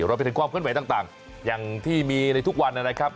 รวมไปถึงความเคลื่อนไหวต่างอย่างที่มีในทุกวันนะครับ